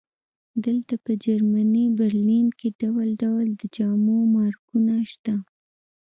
دلته په جرمني برلین کې ډول ډول د جامو مارکونه شته